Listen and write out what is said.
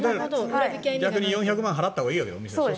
逆に４００万円払ったほうがいいわけだ。